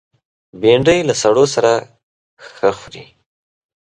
بېنډۍ له سړو سره ښه خوري